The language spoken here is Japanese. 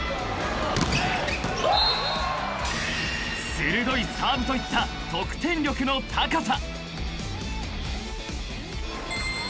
［鋭いサーブといった得点力の高さ］